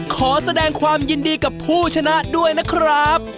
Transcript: ขอแสดงความยินดีกับผู้ชนะด้วยนะครับ